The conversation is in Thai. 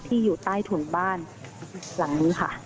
อยู่ใต้ถุนบ้านหลังนี้ค่ะ